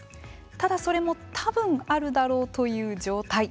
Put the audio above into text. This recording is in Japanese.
ただそれも多分あるだろうという状態。